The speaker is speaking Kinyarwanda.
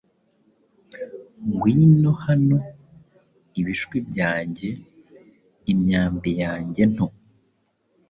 Ngwino hano, Ibishwi byanjye, imyambi yanjye nto.